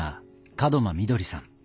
門真みどりさん。